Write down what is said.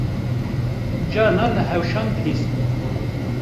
Carna li hewşan dilîst